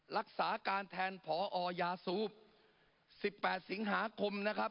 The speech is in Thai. รักษาการแทนพอยาสูบ๑๘สิงหาคมนะครับ